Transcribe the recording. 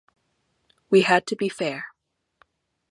We had to be fair.